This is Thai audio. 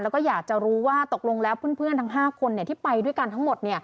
แล้วก็อยากจะรู้ว่าตกลงแล้วเพื่อนทั้ง๕คนที่ไปด้วยกันทั้งหมด